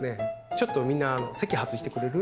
「ちょっとみんな席外してくれる？」